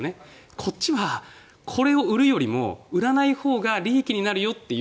こっちはこれを売るよりも売らないほうが利益になるよという。